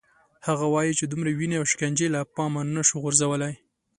هغه وايي چې دومره وینې او شکنجې له پامه نه شو غورځولای.